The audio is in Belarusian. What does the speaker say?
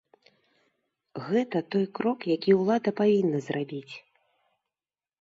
Гэта той крок, які ўлада павінна зрабіць.